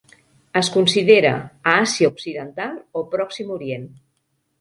Es considera a Àsia Occidental o Pròxim Orient.